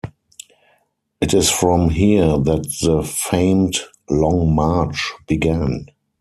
It is from here that the famed "Long March" began.